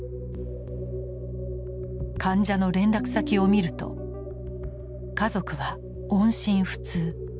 患者の連絡先を見ると「家族は音信不通」。